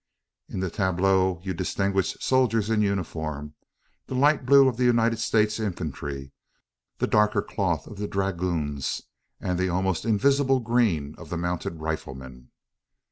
In the tableau you distinguish soldiers in uniform the light blue of the United States infantry, the darker cloth of the dragoons, and the almost invisible green of the mounted riflemen.